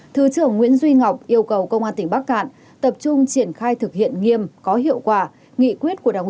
thứ trưởng nguyễn duy ngọc yêu cầu công an tỉnh bắc cạn tập trung triển khai thực hiện nghiêm có hiệu quả